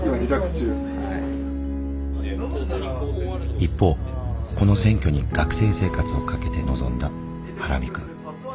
一方この選挙に学生生活を懸けて臨んだハラミ君。